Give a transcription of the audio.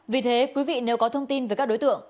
vì thế quý vị nếu có thông tin về các đối tượng